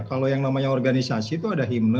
kalau yang namanya organisasi itu ada himno